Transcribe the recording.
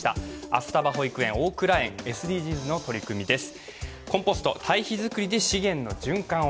明日葉保育園、大倉山園、ＳＤＧｓの取り組みです。